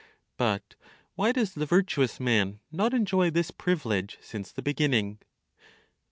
But why does the virtuous man not enjoy this privilege since the beginning?